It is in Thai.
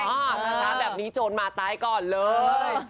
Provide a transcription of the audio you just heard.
นะคะแบบนี้โจรมาตายก่อนเลย